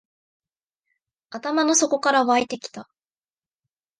頭の底から湧いてきた